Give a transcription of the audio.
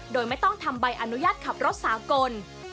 โดยไม่ต้องทำใบอนุญาตขับรถสากล